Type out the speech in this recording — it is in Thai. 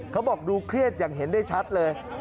เขาบอกดูเครียดอย่างเห็นได้ชัดเลย